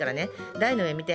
台の上見て。